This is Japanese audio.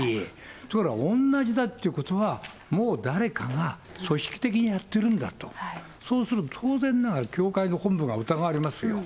ところがおんなじだってことはもう誰かが組織的にやってるんだと、そうすると当然ながら、教会の本部が疑われますよ。